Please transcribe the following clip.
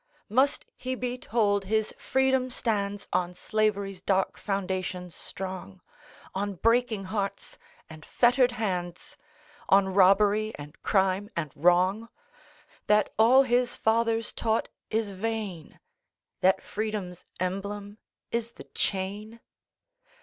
Must he be told his freedom stands On Slavery's dark foundations strong; On breaking hearts and fettered hands, On robbery, and crime, and wrong? That all his fathers taught is vain, That Freedom's emblem is the chain?